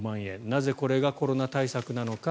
なぜこれがコロナ対策なのか。